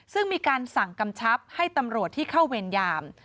ซึ่งมีการสั่งกำชับให้ตำรวจที่เข้าเวรยาม